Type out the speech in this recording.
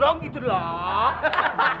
mbah gondong itu doang